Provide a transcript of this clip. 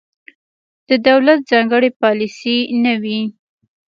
د دولت ځانګړې پالیسي نه وي.